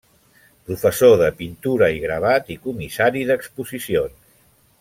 Professor de pintura i gravat i comissari d'exposicions.